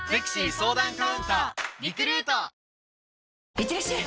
いってらっしゃい！